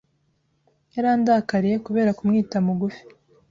Yarandakariye kubera kumwita Mugufi.